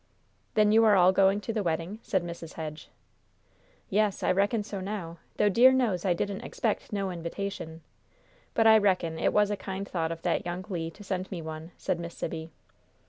"Then you are all going to the wedding?" said Mrs. Hedge. "Yes, I reckon so now; though dear knows I didn't expect no invitation. But I reckon it was a kind thought of that young Le to send me one," said Miss Sibby.